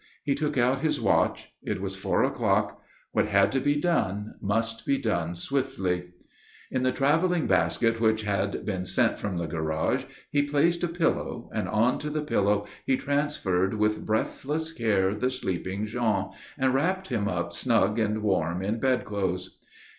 He took out his watch. It was four o'clock. What had to be done must be done swiftly. In the travelling basket, which had been sent from the garage, he placed a pillow, and on to the pillow he transferred with breathless care the sleeping Jean, and wrapped him up snug and warm in bedclothes.